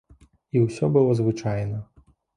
І ўсё было звычайна.